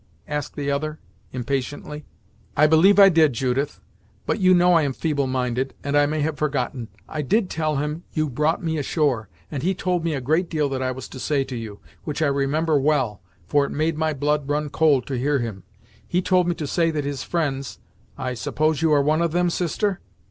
asked the other, impatiently. "I believe I did, Judith; but you know I am feeble minded, and I may have forgotten. I did tell him you brought me ashore. And he told me a great deal that I was to say to you, which I remember well, for it made my blood run cold to hear him. He told me to say that his friends I suppose you are one of them, sister?"